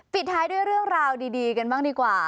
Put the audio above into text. ปิดท้ายด้วยเรื่องราวดีกันบ้างดีกว่า